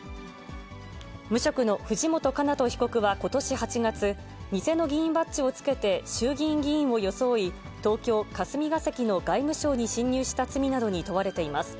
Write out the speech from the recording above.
無職の藤本叶人被告はことし８月、偽の議員バッジをつけて、衆議院議員を装い、東京・霞が関の外務省に侵入した罪などに問われています。